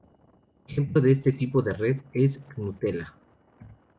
Ejemplo de este tipo de red es Gnutella.